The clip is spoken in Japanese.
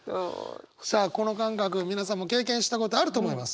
さあこの感覚皆さんも経験したことあると思います。